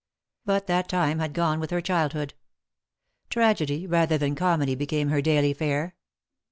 But that time had gone with her childhood Tragedy, rather than comedy, became her daily fare.